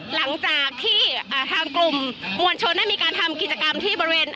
หลังจากที่ทางกลุ่มมวลชนได้มีการทำกิจกรรมที่บริเวณ